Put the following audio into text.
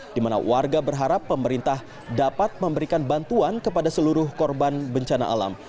di mana warga berharap pemerintah dapat memberikan bantuan kepada seluruh korban bencana alam